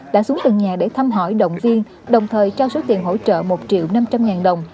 đã xuống từng nhà để thăm hỏi động viên đồng thời trao số tiền hỗ trợ một triệu năm trăm linh ngàn đồng